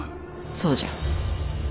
そうじゃ。